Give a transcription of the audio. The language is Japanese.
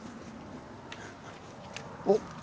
おっ！